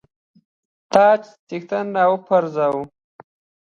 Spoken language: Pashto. تاج څښتنان را وپرزوي.